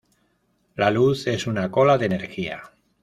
La luz es una cola de energía.